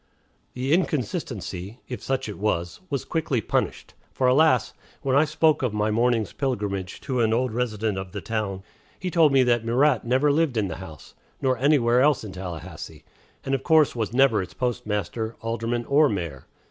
The inconsistency, if such it was, was quickly punished. For, alas! when I spoke of my morning's pilgrimage to an old resident of the town, he told me that Murat never lived in the house, nor anywhere else in Tallahassee, and of course was never its postmaster, alderman, or mayor.